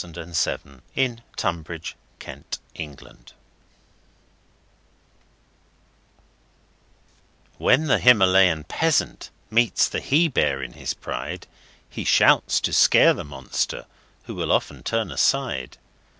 Rudyard Kipling The Female of the Species WHEN the Himalayan peasant meets the he bear in his pride, He shouts to scare the monster who will often turn aside.